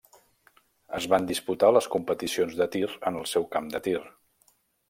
Es van disputar les competicions de tir en el seu camp de tir.